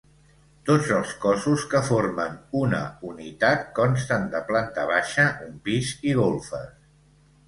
Tots els cossos, que formen una unitat, consten de planta baixa, un pis i golfes.